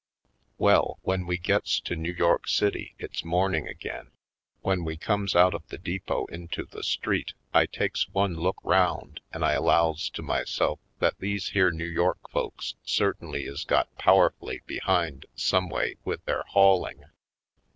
Well, when we gets to New York City it's morning again. When we comes out of the depot onto the street I takes one look round and I allows to myself that these here New York folks certainly is got powerfully behind someway with their hauling.